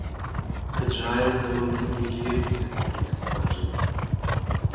Agile é uma metodologia de desenvolvimento ágil.